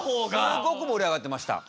すごく盛り上がってました。